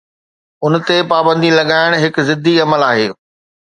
ان تي پابندي لڳائڻ هڪ ضدي عمل آهي.